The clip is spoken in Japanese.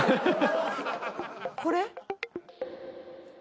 これ？